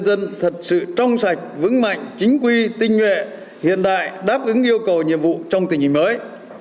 lực lượng công an nhân dân thật sự trong sạch vững mạnh chính quy tinh nguyện hiện đại đáp ứng yêu cầu nhiệm vụ trong tình hình mới